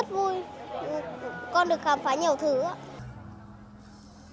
ở đây có nhiều đồ con có thể trải nghiệm được và đây nó rất vui